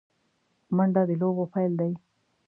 منډه د لوبو پیل دی